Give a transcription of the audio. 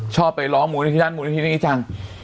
ชอบไปร้องมูลนี้นั้นมูลนี้นี้จัง